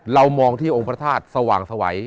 เรามองที่องค์พระทาตริย์สว่างสไหว